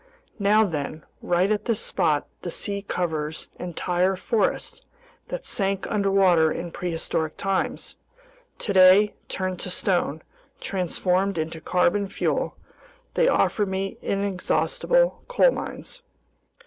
Now then, right at this spot the sea covers entire forests that sank underwater in prehistoric times; today, turned to stone, transformed into carbon fuel, they offer me inexhaustible coal mines."